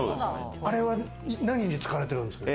あれは何に使われてるんですか？